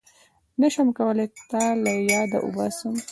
نشم کولای تا له ياده وباسم